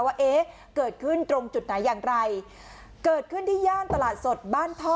ว่าเอ๊ะเกิดขึ้นตรงจุดไหนอย่างไรเกิดขึ้นที่ย่านตลาดสดบ้านท่อ